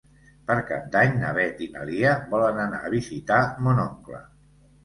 Per Cap d'Any na Beth i na Lia volen anar a visitar mon oncle.